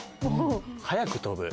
速く飛ぶ。